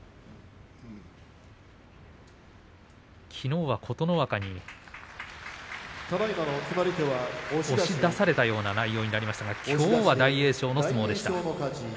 きのうは琴ノ若に押し出されたような内容になりました、きょうは大栄翔の相撲でした。